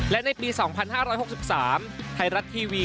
และในปี๒๕๖๕หลัดทีวี